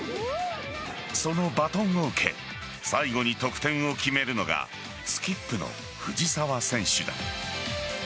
そのバトンを受け最後に得点を決めるのがスキップの藤澤選手だ。